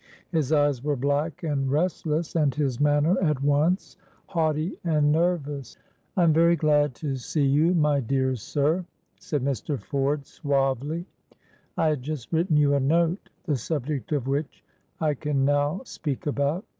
His eyes were black and restless, and his manner at once haughty and nervous. "I am very glad to see you, my dear sir," said Mr. Ford, suavely; "I had just written you a note, the subject of which I can now speak about."